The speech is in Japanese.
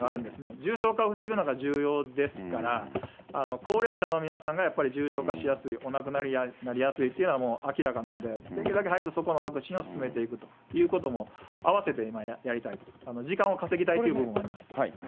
重症化を防ぐのが重要ですから、高齢者の皆さんがやっぱり重症化しやすい、お亡くなりになりやすというのはもう明らかなので、できるだけ早く、そこのワクチンを進めていくということも、合わせて今、やりたいと、時間を稼ぎたいという部分もあります。